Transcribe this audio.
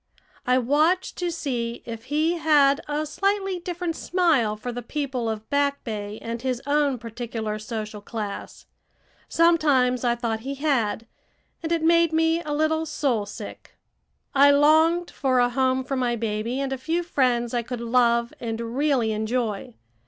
I watched to see if he had a slightly different smile for the people of Back Bay and his own particular social class; sometimes I thought he had, and it made me a little soul sick. I longed for a home for my baby and a few friends I could love and really enjoy.